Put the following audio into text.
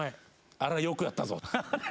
あれはよくやったぞと。